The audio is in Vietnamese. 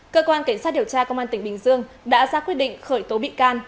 cơ quan cảnh sát điều tra công an tỉnh bình dương đã ra quyết định khởi tố bị can